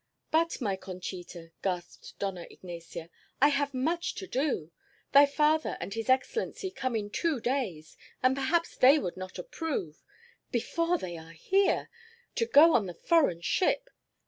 "But, my Conchita," gasped Dona Ignacia, "I have much to do. Thy father and his excellency come in two days. And perhaps they would not approve before they are here! to go on the foreign ship!